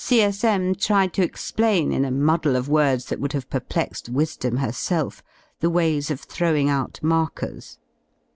C.S.M. tried to explain, in a muddle of words that would have perplexed Wisdom herself, the ways of throwing out markers.